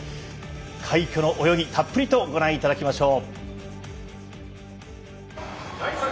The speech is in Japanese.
快挙の泳ぎ、たっぷりとご覧いただきましょう。